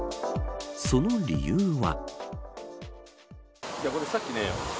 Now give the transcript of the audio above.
その理由は。